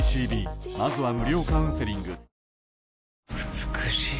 美しい。